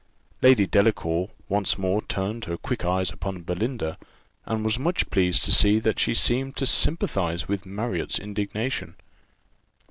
Lady Delacour once more turned her quick eyes upon Belinda, and was much pleased to see that she seemed to sympathize with Marriott's indignation.